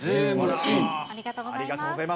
ありがとうございます。